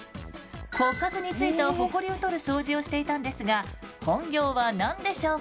骨格についたほこりを取る掃除をしていたんですが本業は何でしょうか？